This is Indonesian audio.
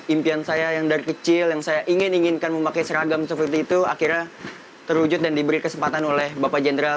impian saya yang dari kecil yang saya ingin inginkan memakai seragam seperti itu akhirnya terwujud dan diberi kesempatan oleh bapak jenderal